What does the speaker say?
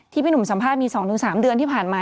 พี่หนุ่มสัมภาษณ์มี๒๓เดือนที่ผ่านมา